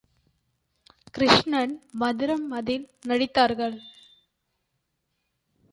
கிருஷ்ணன் மதுரம் அதில் நடித்தார்கள்.